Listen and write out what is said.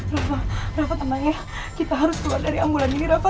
rafa rafa tenang ya kita harus keluar dari ambulan ini rafa